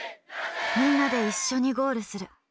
みんなで一緒にゴールする。